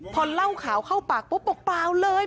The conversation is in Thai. พอเล่าข่าวเข้าปากปุ๊บบอกเปล่าเลย